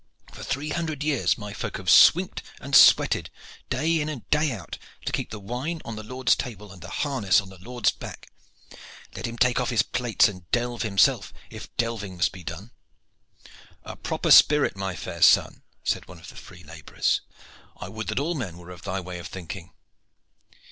For three hundred years my folk have swinked and sweated, day in and day out, to keep the wine on the lord's table and the harness on the lord's back. Let him take off his plates and delve himself, if delving must be done." "A proper spirit, my fair son!" said one of the free laborers. "I would that all men were of thy way of thinking."